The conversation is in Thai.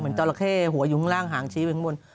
เหมือนจอหละเข้หัวอยู่ข้างล่างหางชี้ไปข้างบน